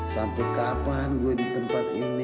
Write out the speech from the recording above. sampai kapan gue di tempat ini